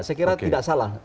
saya kira tidak salah